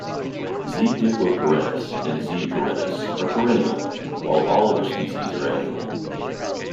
"Z. diploperennis" and "Z. perennis" are perennial, while all other species are annual.